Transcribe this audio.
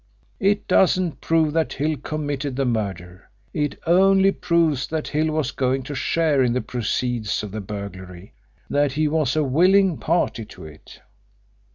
It doesn't prove that Hill committed the murder. It only proves that Hill was going to share in the proceeds of the burglary; that he was a willing party to it.